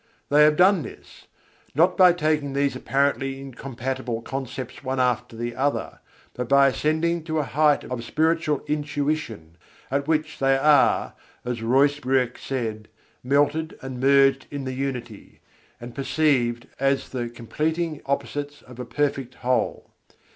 They have done this, not by taking these apparently incompatible concepts one after the other; but by ascending to a height of spiritual intuition at which they are, as Ruysbroeck said, "melted and merged in the Unity," and perceived as the completing opposites of a perfect Whole.